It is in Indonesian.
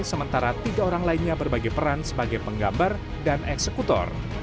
sementara tiga orang lainnya berbagi peran sebagai penggambar dan eksekutor